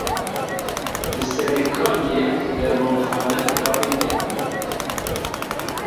Li Serê Kaniyê dermanxane hatin girtin.